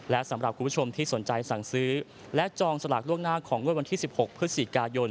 และสำหรับคุณผู้ชมที่สนใจสั่งซื้อและจองสลากล่วงหน้าของงวดวันที่๑๖พฤศจิกายน